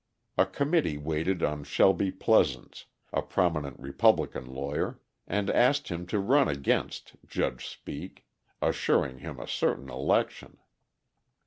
A committee waited on Shelby Pleasants, a prominent Republican lawyer, and asked him to run against Judge Speake, assuring him a certain election.